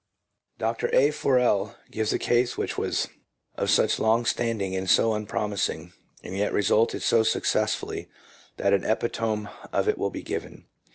Dr. A. Forel gives a case which was of such long standing and so unpromising, and yet resulted so successfully, that an epitome of it will be given.